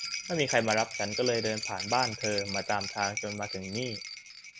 ไม่มีใครมารับ ฉันก็เลยเดินผ่านบ้านเธอมาตามทางจนมาถึงนี่